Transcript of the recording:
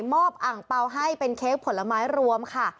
อังเปล่าให้เป็นเค้กผลไม้รวมค่ะ